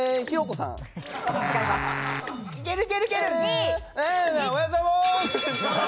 さんおはようございます。